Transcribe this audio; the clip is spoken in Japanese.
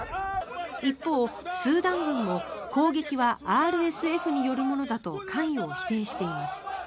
一方、スーダン軍も攻撃はＲＳＦによるものだと関与を否定しています。